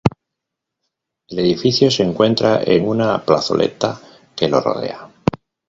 El edificio se encuentra en una plazoleta que lo rodea.